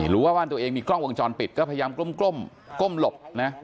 รู้ว่าบ้านตัวเองมีกล้องวงจรปิดก็พยายามก้มหลบนะ